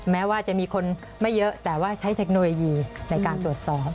แม้ว่าจะมีคนไม่เยอะแต่ว่าใช้เทคโนโลยีในการตรวจสอบ